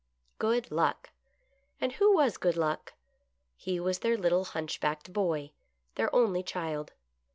" Good Luck! " And who was " Good Luck " He was their little hunchbacked boy, their only child.